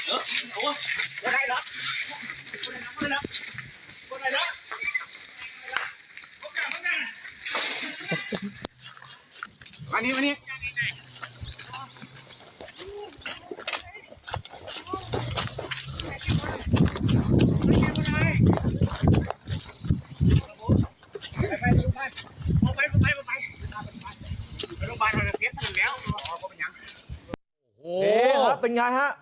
โอ้โหเป็นไงฮะ